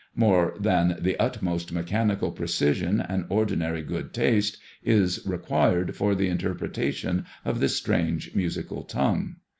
More than the utmost mechanical pre cision and ordinary good taste is required for the interpretation of this strange musical tongue.